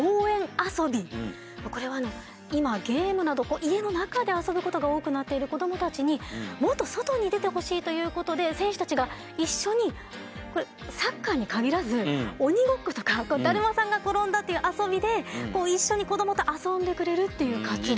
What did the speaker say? これは今ゲームなど家の中で遊ぶことが多くなっている子供たちにもっと外に出てほしいということで選手たちが一緒にサッカーに限らず鬼ごっことかだるまさんが転んだという遊びで一緒に子供と遊んでくれるっていう活動。